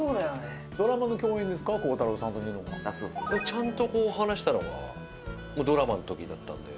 ちゃんと話したのはドラマの時だったんで。